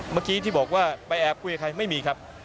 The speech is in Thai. เมื่อกี้ที่บอกว่าไปแอบคุยกับใครไม่มีครับ